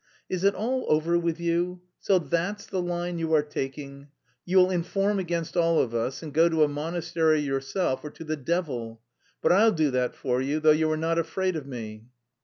"Is it all over with you? So that's the line you are taking? You'll inform against all of us, and go to a monastery yourself, or to the devil.... But I'll do for you, though you are not afraid of me!"